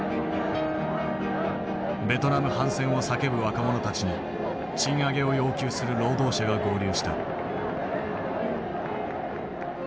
ベトナム反戦を叫ぶ若者たちに賃上げを要求する労働者が合流した。